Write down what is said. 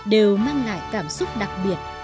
đều mang lại cảm xúc đặc biệt